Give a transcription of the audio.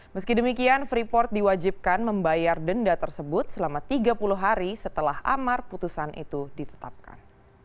meski demikian freeport diwajibkan membayar denda tersebut selama tiga puluh hari setelah amar putusan itu ditetapkan